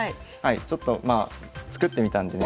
ちょっとまあ作ってみたんでね。